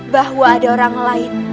bahwa ada orang lain